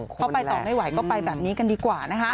เขาไปต่อไม่ไหวก็ไปแบบนี้กันดีกว่านะคะ